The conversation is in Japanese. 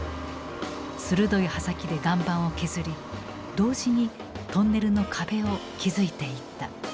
鋭い刃先で岩盤を削り同時にトンネルの壁を築いていった。